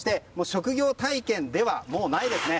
職業体験では、もうないですね。